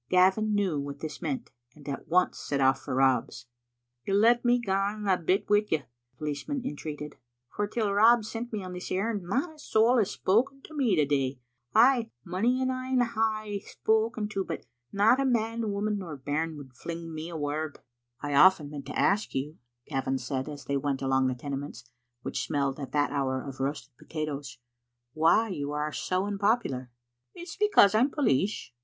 Gavin knew what this meant, and at once set off for Rob's. "You'll let me gang a bit wi' you," the policeman entreated, " for till Rob sent me on this errand not a soul has spoken to me the day; ay, mony a ane hae I spoken to, but not a man, woman, nor bairn would fling me a word." Digitized by VjOOQ IC m tCbe Xittle Afnfster. " I often meant to ask yon," Gavin said as they went along the Tenements, which smelled at that hour of roasted potatoes, "why you are so unpopular." "It's because I'm police.